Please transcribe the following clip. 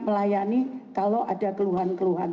melayani kalau ada keluhan keluhan